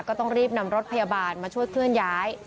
ก็ต้องรีบนำรถพยาบาลมาช่วยเคลื่อนย้าย